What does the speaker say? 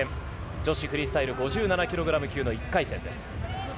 女子フリースタイル５７ｋｇ級の１回戦。